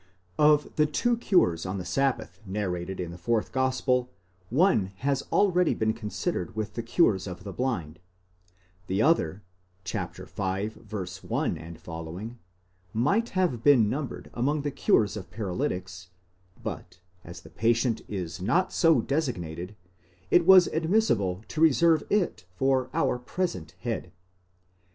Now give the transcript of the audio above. Of the two cures on the sabbath narrated in the fourth gospel, one has already been considered with the cures of the blind ; the other (v. 1 ff.) might have been numbered among the cures of paralytics, but as the patient is not so designated, it was admissible to reserve it for our present head.